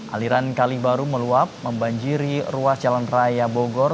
aliran kali baru meluap membanjiri ruas jalan raya bogor